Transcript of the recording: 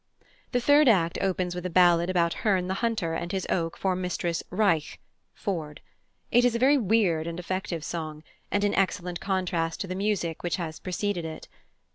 The third act opens with a ballad about Herne the Hunter and his oak for Mistress "Reich" (Ford). It is a very weird and effective song, and in excellent contrast to the music which has preceded it.